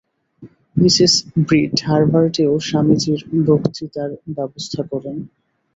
Mrs Breed হার্ভার্ডেও স্বামীজীর বক্তৃতার ব্যবস্থা করেন।